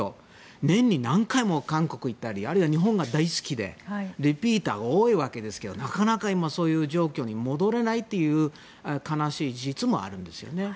年に何回も韓国行ったりあるいは日本が大好きでリピーター、多いわけですけどなかなか、そういう状況に戻らないという悲しい事実もあるんですよね。